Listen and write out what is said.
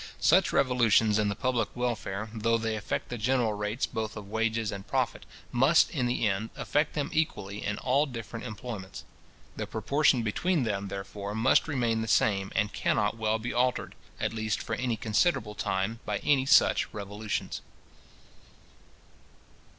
Such revolutions in the public welfare, though they affect the general rates both of wages and profit, must, in the end, affect them equally in all different employments. The proportion between them, therefore, must remain the same, and cannot well be altered, at least for any considerable time, by any such revolutions.